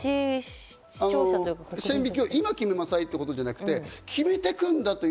線引きを今決めなさいってことじゃなくて、決めていくんだと。